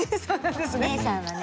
おねえさんはね。